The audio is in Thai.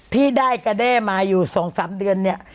พี่ได้กับได้มาอยู่สองสามเดือนเนี่ย